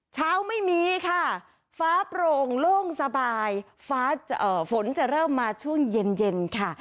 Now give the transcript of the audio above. เช้าไม่มีค่ะฟ้าโปร่งโล่งสบายฝนจะเริ่มมาช่วงเย็นค่ะ